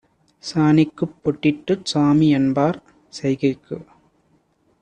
சாணிக்குப் பொட்டிட்டுச் சாமிஎன்பார் செய்கைக்கு